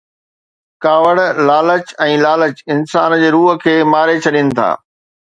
ڪاوڙ، لالچ ۽ لالچ انسان جي روح کي ماري ڇڏين ٿا.